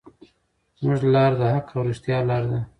زموږ لار د حق او رښتیا لار ده.